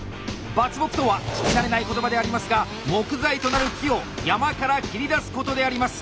伐木とは聞き慣れない言葉でありますが木材となる木を山から伐り出すことであります！